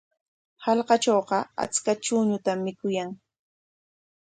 Hallqatrawqa achka chuñutam mikuyan.